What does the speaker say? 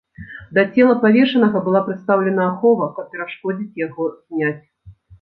Да цела павешанага была прыстаўлена ахова, каб перашкодзіць яго зняць.